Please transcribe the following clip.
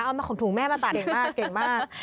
ของถุงแม่มาตัดเก่งมากเก่งมาก